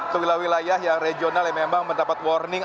ke wilayah wilayah yang regional yang memang mendapat warning